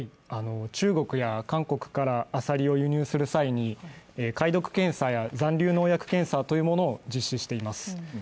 中国や韓国からアサリを輸入する際に貝毒検査や残留農薬検査というものを実施しています。